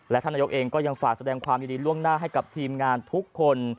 และท่านนายกเองก็ยังฝากแสดงความยินดีล่วงหน้าให้กับทีมงานทุกคน